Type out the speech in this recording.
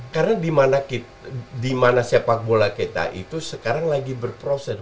karena dimana sepak bola kita itu sekarang lagi berproses